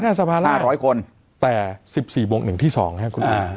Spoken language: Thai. แต่๑๔บวก๑ที่๒ครับคุณอีก